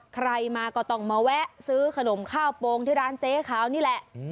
ใครมาก็ต้องมาแวะซื้อขนมข้าวโปรงที่ร้านเจ๊ขาวนี่แหละ